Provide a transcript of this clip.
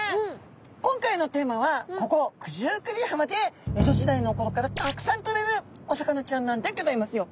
今回のテーマはここ九十九里浜で江戸時代のころからたくさんとれるお魚ちゃんなんでギョざいますよ。